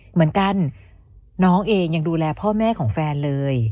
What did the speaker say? เหมือนกันน้องเองยังดูแลพ่อแม่ของแฟนเลย